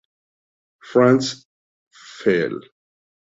France", "Fl.